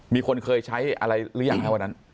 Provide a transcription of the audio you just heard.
มีคนเคยใช้อะไรหรือยังฮะวันนั้น